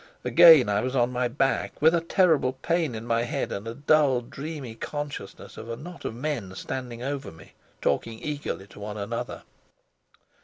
Again I was on my back, with a terrible pain in my head, and a dull, dreamy consciousness of a knot of men standing over me, talking eagerly to one another.